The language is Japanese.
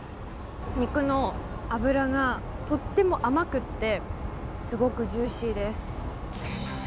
肉の脂がとても甘くてすごくジューシーです。